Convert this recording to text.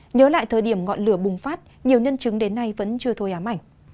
nhớ lại thời điểm ngọn lửa bùng phát nhiều nhân chứng đến nay vẫn chưa thôi ám ảnh